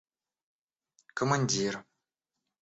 командир